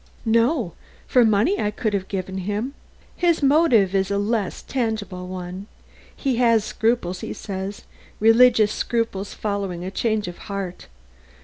"No; for money I could have given him. His motive is a less tangible one. He has scruples, he says religious scruples following a change of heart.